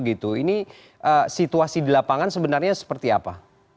ini situasi di lapangan sebenarnya seperti apa